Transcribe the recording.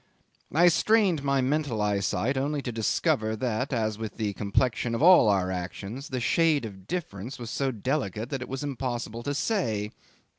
'I strained my mental eyesight only to discover that, as with the complexion of all our actions, the shade of difference was so delicate that it was impossible to say.